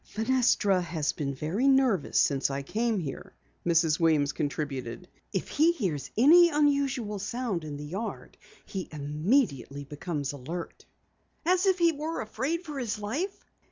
"Fenestra has been very nervous since I came here," Mrs. Weems contributed. "If he hears any unusual sound in the yard he immediately becomes alert." "As if he were afraid for his life?"